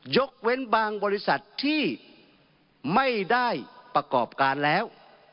ยกเว้นบางบริษัทที่ไม่ได้ประกอบการแล้ว